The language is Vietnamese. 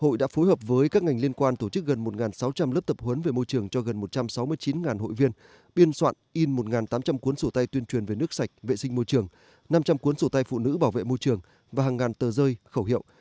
hội đã phối hợp với các ngành liên quan tổ chức gần một sáu trăm linh lớp tập huấn về môi trường cho gần một trăm sáu mươi chín hội viên biên soạn in một tám trăm linh cuốn sổ tay tuyên truyền về nước sạch vệ sinh môi trường năm trăm linh cuốn sổ tay phụ nữ bảo vệ môi trường và hàng ngàn tờ rơi khẩu hiệu